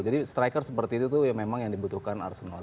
jadi striker seperti itu memang yang dibutuhkan arsenal